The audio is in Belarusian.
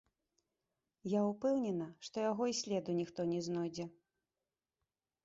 Я ўпэўнена, што яго і следу ніхто не знойдзе.